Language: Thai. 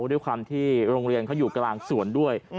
ด้วยความที่โรงเรียนเขาอยู่กลางสวนด้วย